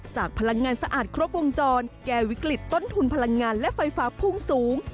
พลังงานสะอาดครบวงจรแก้วิกฤตต้นทุนพลังงานและไฟฟ้าพุ่งสูง